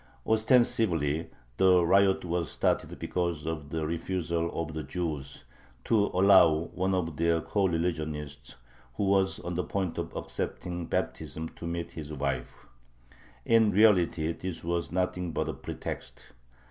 Ostensibly the riot was started because of the refusal of the Jews to allow one of their coreligionists, who was on the point of accepting baptism, to meet his wife. In reality this was nothing but a pretext.